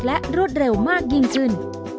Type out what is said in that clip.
และรวดเร็วมากยิ่งขึ้น